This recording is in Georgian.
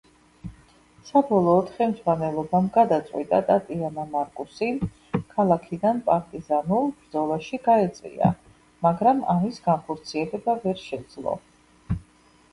საბოლოოდ ხელმძღვანელობამ გადაწყვიტა ტატიანა მარკუსი ქალაქიდან პარტიზანულ ბრძოლაში გაეწვია, მაგრამ ამის განხორციელება ვერ შეძლო.